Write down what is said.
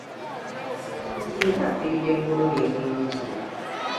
Oyo omulenzi nga afiridde mu bulumi bungi.